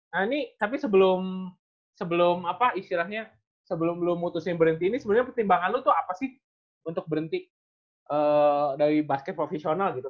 nah ini tapi sebelum apa istilahnya sebelum lu mutusin berhenti ini sebenarnya pertimbangan lu tuh apa sih untuk berhenti dari basket profesional gitu